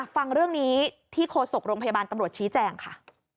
ฟังเรื่องนี้ที่โฆษกโรงพยาบาลตำรวจชี้แจงค่ะ